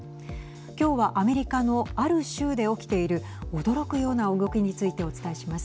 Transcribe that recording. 今日はアメリカのある州で起きている驚くような動きについてお伝えします。